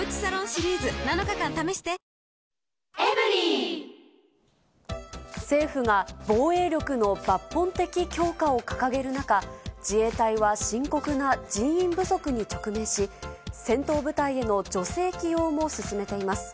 シミの原因に根本アプローチ政府が、防衛力の抜本的強化を掲げる中、自衛隊は深刻な人員不足に直面し、戦闘部隊への女性起用も進めています。